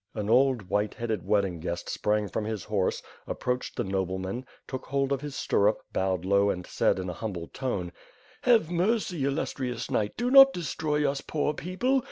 An old, white headed wedding guest sprang from his horse, approached the nobleman, took hold of his stirrup, bowed low and said in a humble tone: "Have mercy, illustrious knight, do not destroy us poor people.